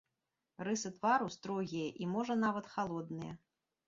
Рысы твару строгія і, можа, нават халодныя.